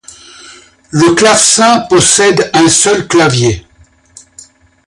Le clavecin possède un seul clavier.